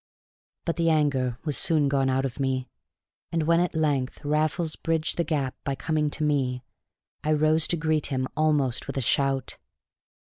But the anger was soon gone out of me, and when at length Raffles bridged the gap by coming to me, I rose to greet him almost with a shout.